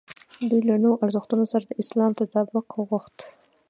دوی له نویو ارزښتونو سره د اسلام تطابق غوښت.